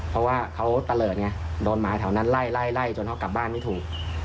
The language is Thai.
เพราะว่าเขาตะเลิศไงโดนหมาแถวนั้นไล่ไล่จนเขากลับบ้านไม่ถูก